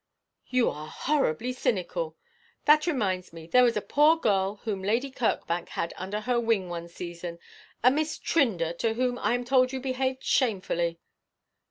'You are horribly cynical. That reminds me, there was a poor girl whom Lady Kirkbank had under her wing one season a Miss Trinder, to whom I am told you behaved shamefully.'